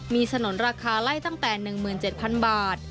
มีสนุนราคาไล่ตั้งแต่๑๗๐๐บาท